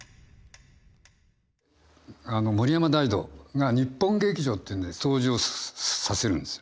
森山大道が「にっぽん劇場」っていうので登場させるんです。